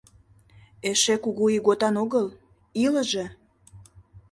Эше кугу ийготан огыл, илыже!..